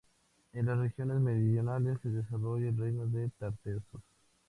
En las regiones meridionales se desarrolló el reino de Tartessos.